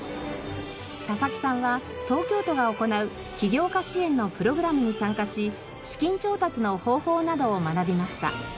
佐々木さんは東京都が行う起業家支援のプログラムに参加し資金調達の方法などを学びました。